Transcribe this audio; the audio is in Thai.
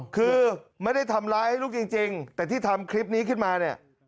คือไม่ได้ทำร้ายให้ลูกจริงแต่ที่ทำคลิปนี้ขึ้นมาเนี่ย